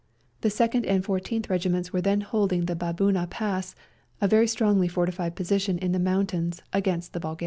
The Second and Four teenth Regiments were then holding the Baboona Pass, a very strongly fortified position in the mountains, against the Bulgarians.